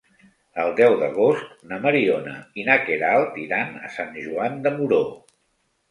El deu d'agost na Mariona i na Queralt iran a Sant Joan de Moró.